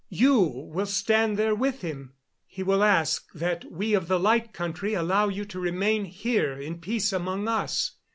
You will stand there with him. He will ask that we of the Light Country allow you to remain here in peace among us.